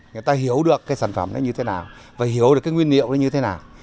người ta hiểu được cái sản phẩm nó như thế nào và hiểu được cái nguyên liệu nó như thế nào